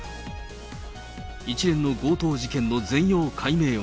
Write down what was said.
一連の強盗事件の全容解明は。